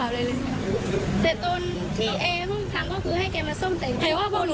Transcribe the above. บางทีคนลงมาเซเว่นเค้าก็จะถามเป็น